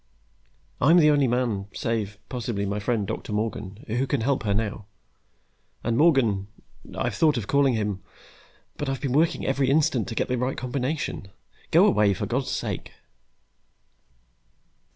I'm the only man, save, possibly, my friend Doctor Morgan, who can help her now. And Morgan I've thought of calling him, but I've been working every instant to get the right combination. Go away, for God's sake!"